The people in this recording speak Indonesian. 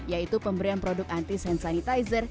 yaitu pemberian produk antis hand sanitizer